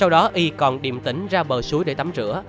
sau đó y còn điềm tỉnh ra bờ suối để tắm rửa